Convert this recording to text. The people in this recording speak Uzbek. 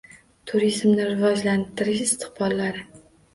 Turizmni rivojlantirish istiqbollari